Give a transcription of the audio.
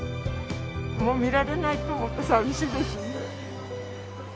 もう見られないと思うと、寂しいですね。